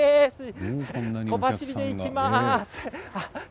小走りで行きます。